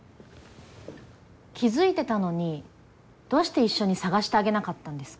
気付いてたのにどうして一緒に探してあげなかったんですか？